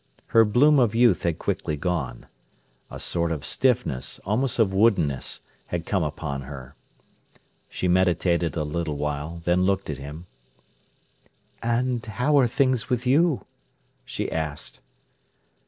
Her bloom of youth had quickly gone. A sort of stiffness, almost of woodenness, had come upon her. She meditated a little while, then looked at him. "And how are things with you?" she asked.